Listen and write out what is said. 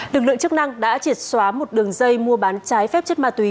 lực lượng chức năng đã triệt xóa một đường dây mua bán trái phép chất ma túy